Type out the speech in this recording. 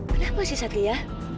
kenapa sih satria